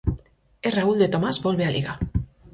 E Raúl de Tomás volve á Liga.